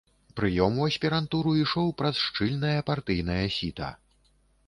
Прыём у аспірантуру ішоў праз шчыльнае партыйнае сіта.